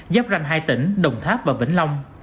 dắp ranh hai tỉnh đồng tháp và vĩnh long